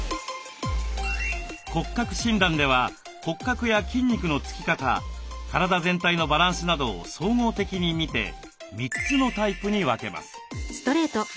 骨格診断では骨格や筋肉の付き方体全体のバランスなどを総合的に見て３つのタイプに分けます。